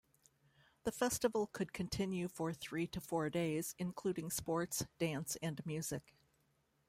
The festival could continue for three to four days, including sports, dance, and music.